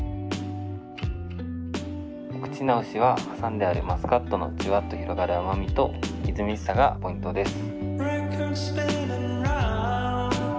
お口直しは挟んであるマスカットのジュワッと広がる甘みとみずみずしさがポイントです